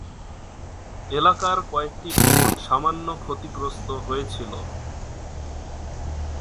এলাকার কয়েকটি ভবন সামান্য ক্ষতিগ্রস্ত হয়েছিল।